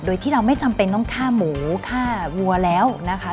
โดยที่เราไม่จำเป็นต้องฆ่าหมูฆ่าวัวแล้วนะคะ